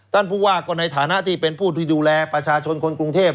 ท่านพูดว่าก็ในทานะที่เป็นผู้ดูแลประชาชนคนกรุงเทพ